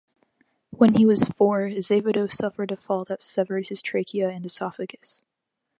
When he was four, Azevedo suffered a fall that severed his trachea and esophagus.